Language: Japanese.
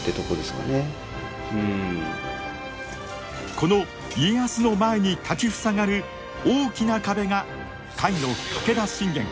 この家康の前に立ち塞がる大きな壁が甲斐の武田信玄。